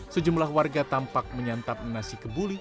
sejumlah warga tampak menyantap nasi kebuli